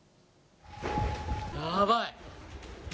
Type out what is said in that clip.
やばい！